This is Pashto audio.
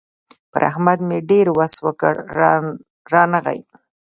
پر احمد مې ډېر وس وکړ؛ رانغی.